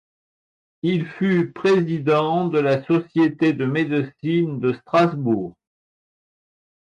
Il fut président de la Société de Médecine de Strasbourg.